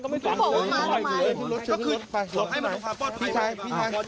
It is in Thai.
พี่ชายพี่ชาย